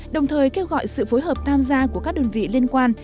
đồng thời kêu gọi sự phối hợp tham gia của các đơn vị liên quan